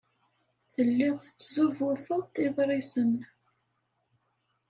Telliḍ tettzubuteḍ-d iḍrisen.